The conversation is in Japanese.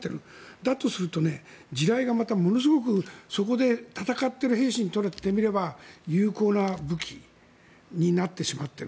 だとすると地雷がまたものすごくそこで戦っている兵士にとってみれば有効な武器になってしまっている。